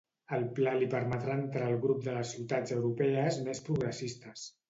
El Pla li permetrà entrar al grup de les ciutats europees més progressistes.